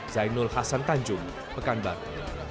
zainul hasan tanjung pekanbaru